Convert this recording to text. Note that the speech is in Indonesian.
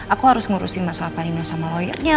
aku harus ngurusin masalah pak nino sama lawyernya